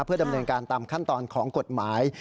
เพื่อดำเนินการตามขั้นตอนของกฎหมาย